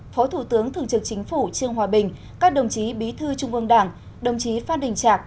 phó thủ tướng thường trực chính phủ trương hòa bình các đồng chí bí thư trung ương đảng đồng chí phan đình trạc